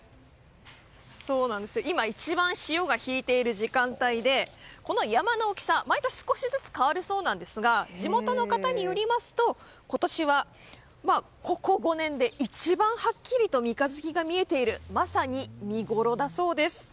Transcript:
今、一番潮が引いている時間帯でこの山の大きさ、毎年少しずつ変わるそうなんですが地元の方によりますと今年は、ここ５年で一番はっきりと三日月が見えているまさに見ごろだそうです。